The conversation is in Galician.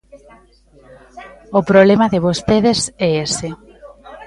O problema de vostedes é ese.